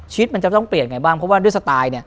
มันจะต้องเปลี่ยนไงบ้างเพราะว่าด้วยสไตล์